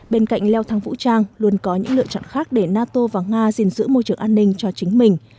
bên cạnh leo thang vũ trang luôn có những lựa chọn khác để nato và nga gìn giữ môi trường an ninh cho chính mình